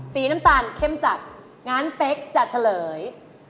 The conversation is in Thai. สีน้ำตาลเข้มจัดงั้นเป๊กจะเฉลย